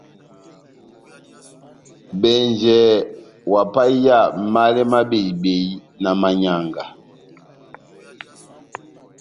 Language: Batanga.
Bɛnjɛ ohapahiya málɛ má behi-behi na manyanga.